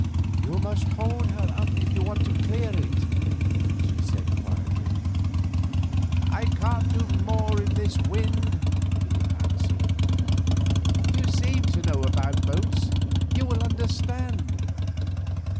"You must hold her up if you want to clear it," she said quietly. "I can't do any more in this wind," he answered. "You seem to know about boats; you will understand."